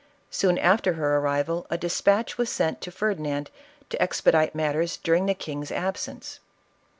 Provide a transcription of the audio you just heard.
Soon after her arrival a despatch was sent to Ferdinand to expedite matters during the king's absence.